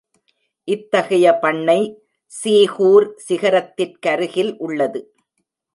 இத்தகைய பண்ணை சீகூர் சிகரத்திற்கருகில் உள்ளது.